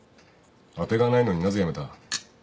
当てがないのになぜ辞めた。